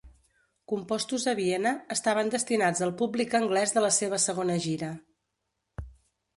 Compostos a Viena, estaven destinats al públic anglès de la seva segona gira.